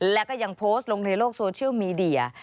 แล้วก็ยังโพสต์ลงในโลกโซเชียลมีเดีย